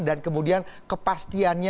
dan kemudian kepentingannya